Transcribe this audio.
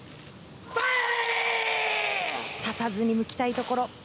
立たずに向きたいところ。